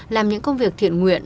làm những công việc thiện nguyện